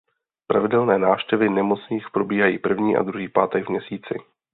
Pravidelné návštěvy nemocných probíhají první a druhý pátek v měsíci.